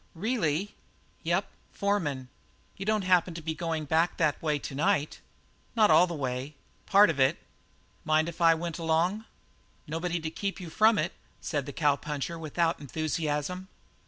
"Really!" "Yep; foreman." "You don't happen to be going back that way to night?" "Not all the way; part of it." "Mind if I went along?" "Nobody to keep you from it," said the cowpuncher without enthusiasm.